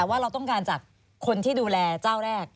ว่าเราต้องการจากคนที่ดูแลเจ้าแรก